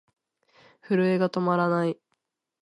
震えが止まらない。